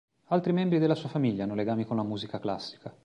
Altri membri della sua famiglia hanno legami con la musica classica.